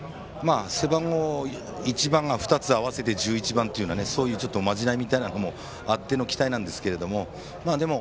背番号１番を２つ合わせて１１番というそういうまじないみたいなのもあっての期待なんですけども。